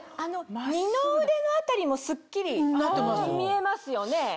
二の腕の辺りもスッキリ見えますよね？